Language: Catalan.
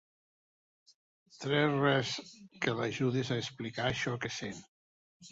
Tres res que l'ajudés a explicar això que sent.